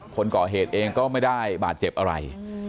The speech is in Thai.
คนก่อเหตุเองก็ไม่ได้บาดเจ็บอะไร